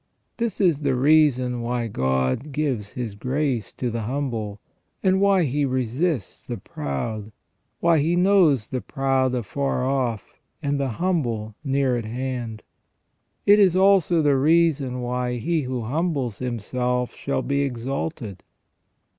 This is the reason why God "gives His grace to the humble," and why He " resists the proud "; why He " knows the proud afar off, and the humble near at hand ". It is also the reason why "he who humbles himself shall be exalted